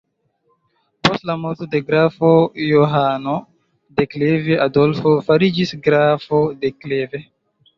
Post la morto de Grafo Johano de Kleve Adolfo fariĝis grafo de Kleve.